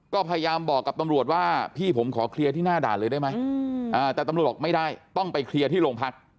ก็พยายามบอกกับตำรวจว่าพี่ผมขอเคลียร์ที่หน้าด่านเลยได้ไหมแต่ตำรวจบอกไม่ได้ต้องไปเคลียร์ที่โรงพัก